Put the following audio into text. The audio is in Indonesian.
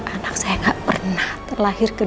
anak saya gak pernah terlahir sama dewi